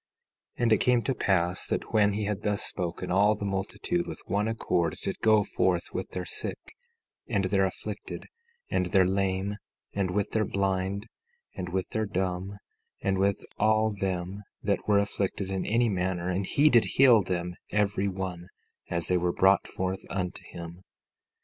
17:9 And it came to pass that when he had thus spoken, all the multitude, with one accord, did go forth with their sick and their afflicted, and their lame, and with their blind, and with their dumb, and with all them that were afflicted in any manner; and he did heal them every one as they were brought forth unto him.